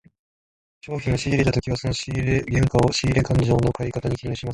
商品を仕入れたときはその仕入れ原価を、仕入れ勘定の借方に記入します。